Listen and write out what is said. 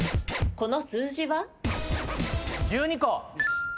この数字は？